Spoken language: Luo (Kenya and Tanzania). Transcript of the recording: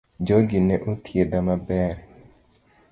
Jogi ne othiedha maber